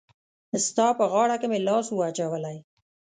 ستا په غاړه کي مي لاس وو اچولی